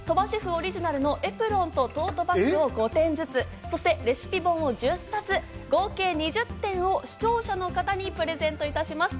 オリジナルのエプロンとトートバッグを５点ずつ、そしてレシピ本を１０冊、合計２０点を視聴者の方にプレゼントいたします。